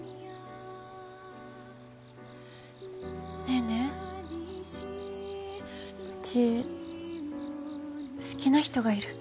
ネーネーうち好きな人がいる。